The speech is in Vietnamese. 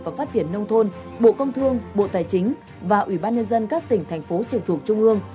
và phát triển nông thôn bộ công thương bộ tài chính và ủy ban nhân dân các tỉnh thành phố trực thuộc trung ương